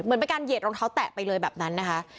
เหมือนเป็นการเหยียดรองเท้าแตะไปเลยแบบนั้นนะคะ